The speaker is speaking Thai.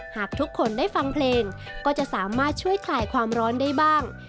หากทุกคนได้ฟังเพลงก็จะสามารถช่วยคลายความร้อนได้บ้าง